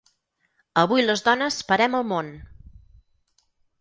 Avui les dones parem el món!